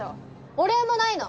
お礼もないの！